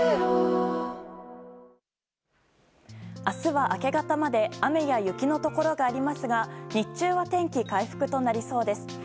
明日は明け方まで雨や雪のところがありますが日中は天気、回復となりそうです。